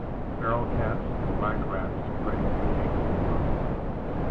Feral cats and black rats prey on the eggs and young.